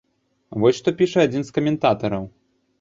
Вось што піша адзін з каментатараў.